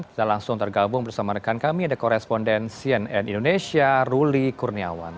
kita langsung tergabung bersama rekan kami ada koresponden cnn indonesia ruli kurniawan